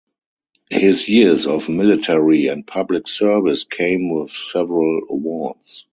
His years of military and public service came with several awards.